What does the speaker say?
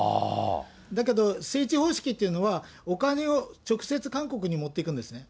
だけど、聖地方式というのは、お金を直接、韓国に持っていくんですね。